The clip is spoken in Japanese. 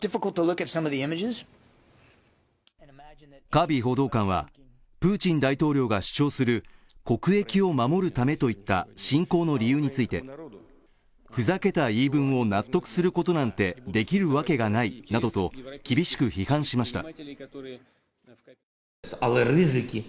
カービー報道官はプーチン大統領が主張する国益を守るためといった侵攻の理由について、ふざけた言い分を納得することなんてできるわけがないなど厳しく批判しました。